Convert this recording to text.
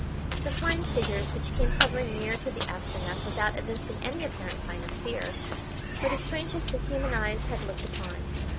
The flying figures which came hovering near to the Astronef, without evincing any apparent sign of fear, were the strangest that human eyes had looked upon.